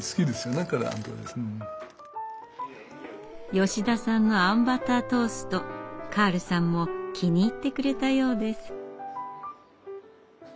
吉田さんのあんバタートーストカールさんも気に入ってくれたようです。